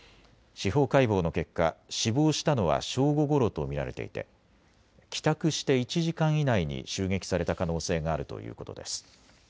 司法解剖の結果、死亡したのは正午ごろと見られていて帰宅して１時間以内に襲撃された可能性があるということです。